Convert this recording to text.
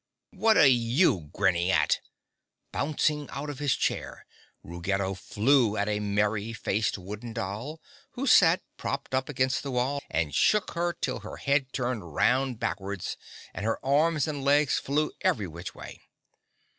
"What are you grinning at?" Bouncing out of his chair, Ruggedo flew at a merry faced wooden doll who sat propped up against the wall and shook her till her head turned round backwards and her arms and legs flew every which way.